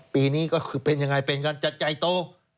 ปีนี้ก็คือเป็นยังไงเป็นการจัดใหญ่โต